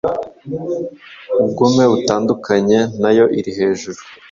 uugome butandukanye nayo iri hejuru.